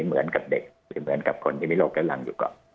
เหมือนกับเด็กหรือเหมือนกับคนที่มีโรคด้านหลังอยู่ก่อน